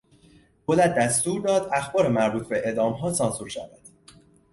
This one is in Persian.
دولت دستور داد اخبار مربوط به اعدامها سانسور شود.